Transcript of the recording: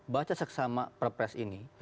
baca seksama perpres ini